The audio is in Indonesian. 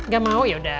gak mau yaudah